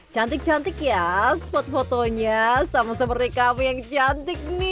cantik cantik ya spot fotonya sama seperti kafe yang cantik nih